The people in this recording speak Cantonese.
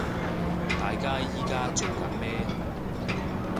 大家依家做緊咩